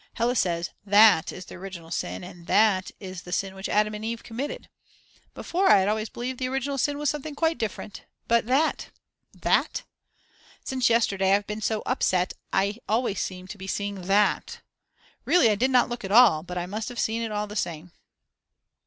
Hella says: That is the original sin, and that is the sin which Adam and Eve committed. Before I had always believed the original sin was something quite different. But that that. Since yesterday I've been so upset I always seem to be seeing that; really I did not look at all, but I must have seen it all the same.